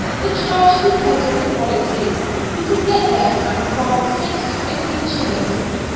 "The charge depends on the quality, you can get them at from six to fifteen shillings.